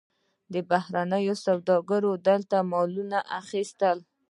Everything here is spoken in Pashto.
بهرنیو سوداګرو دلته مالونه اخیستل.